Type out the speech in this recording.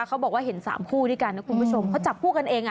เขาบอกว่าเห็นสามคู่ด้วยกันนะคุณผู้ชมเขาจับคู่กันเองอ่ะ